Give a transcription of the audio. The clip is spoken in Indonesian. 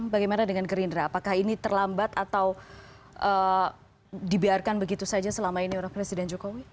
bagaimana dengan gerindra apakah ini terlambat atau dibiarkan begitu saja selama ini oleh presiden jokowi